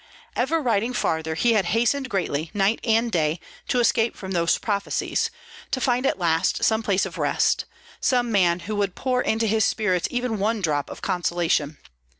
Ever riding farther, he had hastened greatly, night and day, to escape from those prophecies, to find at last some place of rest, some man who would pour into his spirit even one drop of consolation.